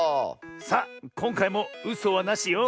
さあこんかいもうそはなしよ。